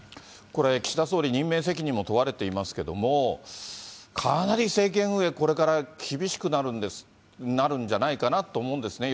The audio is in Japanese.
これ、岸田総理、任命責任も問われていますけれども、かなり政権運営、これから厳しくなるんじゃないかなと思うんですね。